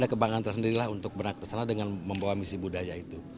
kita sendirilah untuk berangkat kesana dengan membawa misi budaya itu